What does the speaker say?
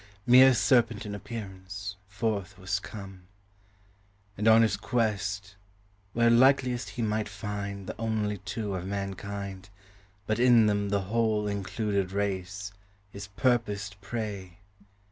Mere serpent in appearance, forth was come; And on his quest, where likeliest he might find The only two of mankind, but in them The whole included race, his purposed prey.